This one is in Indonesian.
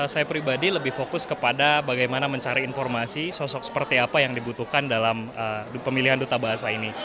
saya pribadi lebih fokus kepada bagaimana mencari informasi sosok seperti apa yang dibutuhkan dalam pemilihan duta bahasa ini